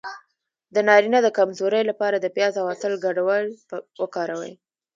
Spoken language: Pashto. د نارینه د کمزوری لپاره د پیاز او عسل ګډول وکاروئ